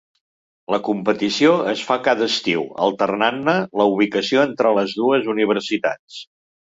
La competició es fa cada estiu, alternant-ne la ubicació entre les dues universitats.